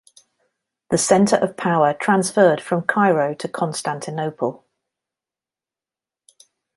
The centre of power transferred from Cairo to Constantinople.